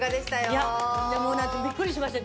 いやでもびっくりしましたよ